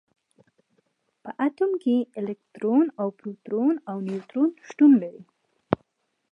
په اتوم کې الکترون او پروټون او نیوټرون شتون لري.